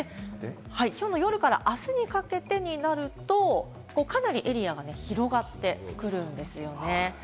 きょうの夜からあすにかけてになると、かなりエリアが広がってくるんですよね。